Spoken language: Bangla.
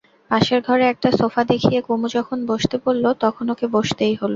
পাশের ঘরে একটা সোফা দেখিয়ে কুমু যখন বসতে বললে, তখন ওকে বসতেই হল।